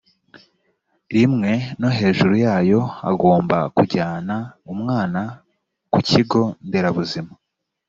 rimwe no hejuru yayo agomba kujyana umwana ku kigo nderabuzima